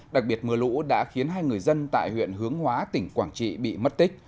đặc biệt mưa lũ đã khiến hai người dân tại huyện hướng hóa tỉnh quảng trị bị mất tích